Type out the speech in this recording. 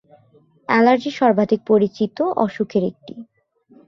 Allergy সর্বাধিক পরিচিত অসুখের একটি।